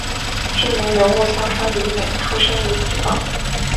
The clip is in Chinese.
知名人物夏川里美出身于此岛。